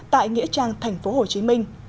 tại nghĩa trang thành phố hồ chí minh